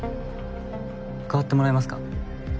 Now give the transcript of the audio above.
代わってもらえますか？